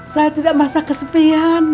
saya tidak masa kesepian